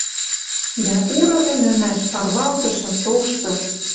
Дӓ уры ӹлӹмӓш, парвалтышы, тошты